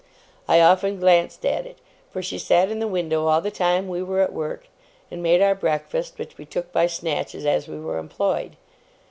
I often glanced at it, for she sat in the window all the time we were at work; and made our breakfast, which we took by snatches as we were employed.